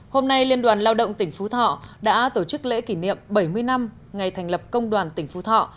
hôm nay liên đoàn lao động tỉnh phú thọ đã tổ chức lễ kỷ niệm bảy mươi năm ngày thành lập công đoàn tỉnh phú thọ